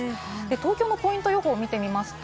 東京のポイント予報を見てみます。